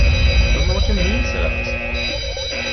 ‘I don’t know what you mean,’ said Alice.